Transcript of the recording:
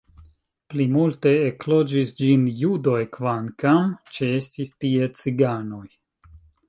Plimulte ekloĝis ĝin judoj, kvankam ĉeestis tie ciganoj.